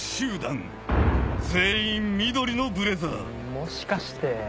もしかして。